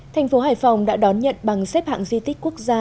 thành phố hải phòng đã đón nhận bằng xếp hạng di tích quốc gia